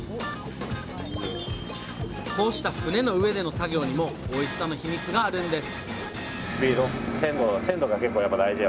こうした船の上での作業にもおいしさのヒミツがあるんです